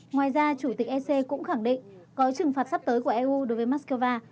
ngoài ra chủ tịch ec cũng khẳng định có trừng phạt sắp tới của eu đối với moscow